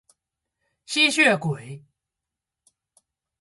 吸血鬼